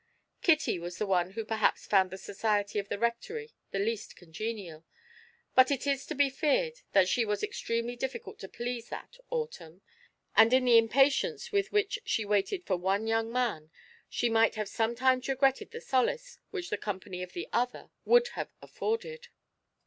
Kitty was the one who perhaps found the society of the Rectory the least congenial; but it is to be feared that she was extremely difficult to please that autumn, and in the impatience with which she waited for one young man she might have sometimes regretted the solace which the company of the other would have afforded.